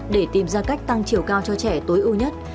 để tìm ra cách tăng chiều cao cho trẻ tối ưu nhất